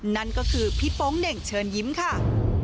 นั่นก็คือพี่โป๊งเหน่งเชิญยิ้มค่ะ